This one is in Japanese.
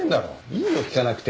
いいよ聞かなくて。